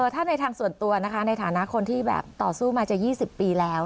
ถ้าในทางส่วนตัวนะคะในฐานะคนที่แบบต่อสู้มาจะ๒๐ปีแล้ว